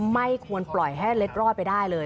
ไม่ควรปล่อยให้เล็ดรอดไปได้เลย